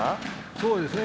そうですね。